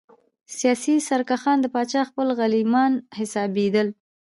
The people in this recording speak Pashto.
سیاسي سرکښان د پاچا خپل غلیمان حسابېدل.